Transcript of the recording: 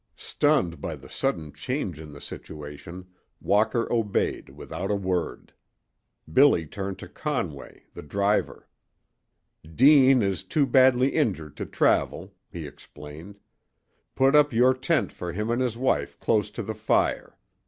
Stunned by the sudden change in the situation, Walker obeyed without a word. Billy turned to Conway, the driver. "Deane is too badly injured to travel," he explained, " Put up your tent for him and his wife close to the fire.